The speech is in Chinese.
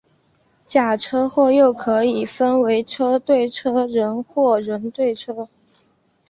假车祸又可以分为车对车或人对车。